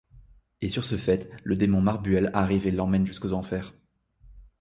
Et sur ce fait le démon Marbuel arrive et l'emmène jusqu'aux enfers.